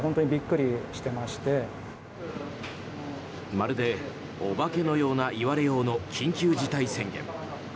まるで、お化けのような言われようの緊急事態宣言。